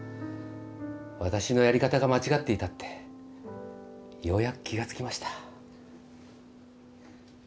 私のやり方が間違っていたってようやく気が付きました。